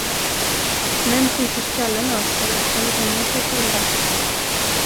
Män skjuter skallen av sig eller hänger sig själva.